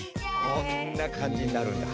こんな感じになるんだ。